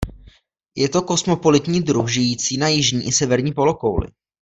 Je to kosmopolitní druh žijící na jižní i severní polokouli.